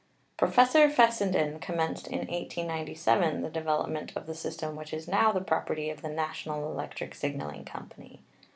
Professor Fessenden commenced in 1897 the develop ment of the system which is now the property of the National Electric Signaling Company.